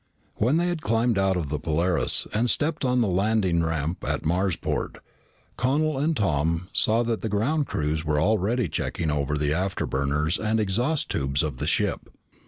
When they had climbed out of the Polaris and stepped on the landing ramp at Marsport, Connel and Tom saw that the ground crews were already checking over the afterburners and exhaust tubes of the ship.